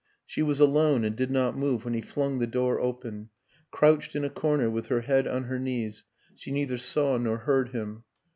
She was alone and did not move when he flung the door open; crouched in a corner with her head on her knees, she neither saw nor heard him.